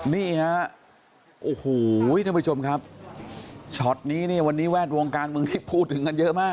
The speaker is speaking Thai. นี่ฮะโอ้โหท่านผู้ชมครับช็อตนี้เนี่ยวันนี้แวดวงการเมืองที่พูดถึงกันเยอะมาก